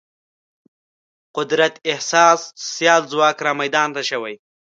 قدرت احساس سیال ځواک رامیدان ته شوی.